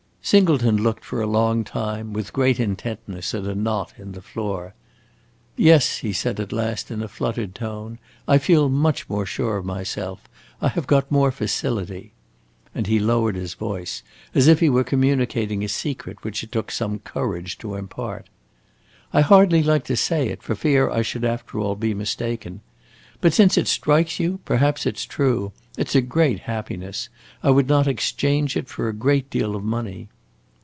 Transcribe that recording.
Singleton looked for a long time with great intentness at a knot in the floor. "Yes," he said at last, in a fluttered tone, "I feel much more sure of myself. I have got more facility!" And he lowered his voice as if he were communicating a secret which it took some courage to impart. "I hardly like to say it, for fear I should after all be mistaken. But since it strikes you, perhaps it 's true. It 's a great happiness; I would not exchange it for a great deal of money."